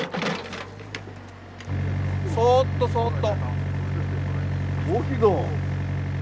そっとそっと。